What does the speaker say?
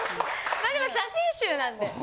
まあでも写真集なんで。